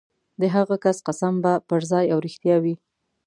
د هغه کس قسم به پرځای او رښتیا وي.